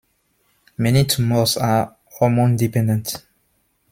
Many tumors are hormone dependent.